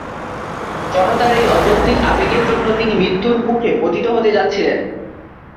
জনতার এই অযৌক্তিক আবেগের জন্যই তিনি মৃত্যুর মুখে পতিত হতে যাচ্ছিলেন।